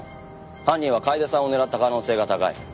犯人は楓さんを狙った可能性が高い。